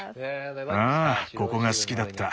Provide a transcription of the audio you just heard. ああここが好きだった。